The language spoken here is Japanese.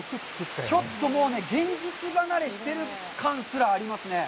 ちょっともうね、現実離れしてる感すらありますね。